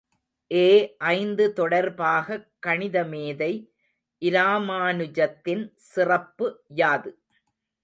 ஏ ஐந்து தொடர்பாகக் கணிதமேதை இராமானுஜத்தின் சிறப்பு யாது?